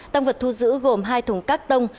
tăng vật thu giữ gồm hai thùng các tông